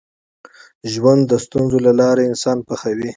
ژوند د ستونزو له لارې انسان پخوي.